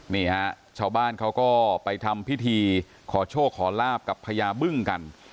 นี่ฮะชาวบ้านเขาก็ไปทำพิธีขอโชคขอลาบกับพญาบึ้งกัน